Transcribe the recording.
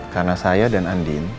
karena saya dan andin